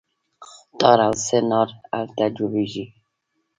تار او سه تار هلته جوړیږي.